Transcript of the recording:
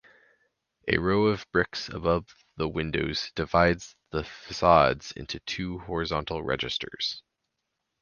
A row of bricks above the windows divides the facades into two horizontal registers.